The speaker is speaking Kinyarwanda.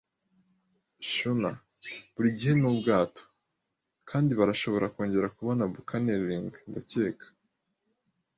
schooner. Buri gihe ni ubwato, kandi barashobora kongera kubona buccaneering, ndakeka. ”